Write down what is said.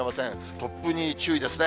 突風に注意ですね。